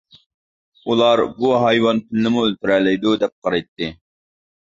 ئۇلار بۇ ھايۋان پىلنىمۇ ئۆلتۈرەلەيدۇ دەپ قارايتتى.